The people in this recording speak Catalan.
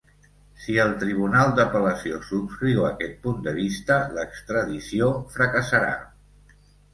Si el tribunal d’apel·lació subscriu aquest punt de vista, l’extradició fracassarà.